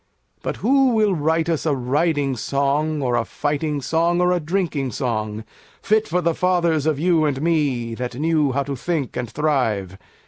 But who will write us a riding song Or a fighting song or a drinking song, Fit for the fathers of you and me, That knew how to think and thrive?